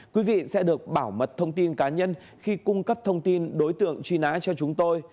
quý vị sẽ được bảo mật thông tin cá nhân khi cung cấp thông tin đối tượng truy nã cho chúng tôi